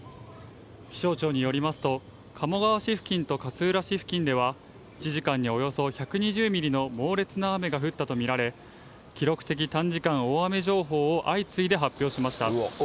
気象庁によりますと、鴨川市付近と勝浦市付近では、１時間におよそ１２０ミリの猛烈な雨が降ったと見られ、記録的短時間大雨情報を相次いで発表しました。